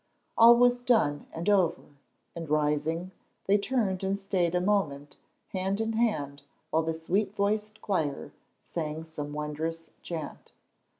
All was done and over, and rising, they turned and stayed a moment hand in hand while the sweet voiced choir sang some wondrous chant.